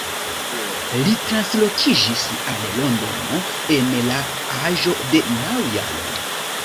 Li translokiĝis al Londono en la aĝo de naŭ jaroj.